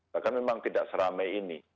bahkan memang tidak seramai ini